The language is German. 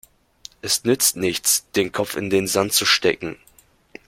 Es nützt nichts, den Kopf in den Sand zu stecken.